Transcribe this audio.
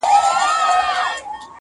چي د ژوند ډېره برخه یې